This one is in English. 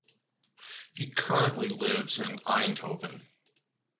He currently lives in Eindhoven.